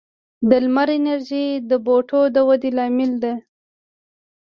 د لمر انرژي د بوټو د ودې لامل ده.